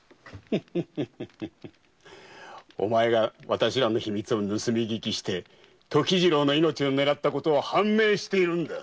お前が私らの秘密を盗み聞きして時次郎の命を狙ったことは判明しているんだ。